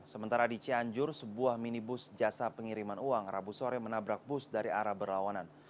sementara di cianjur sebuah minibus jasa pengiriman uang rabu sore menabrak bus dari arah berlawanan